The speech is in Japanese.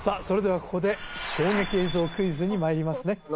それではここで衝撃映像クイズにまいりますね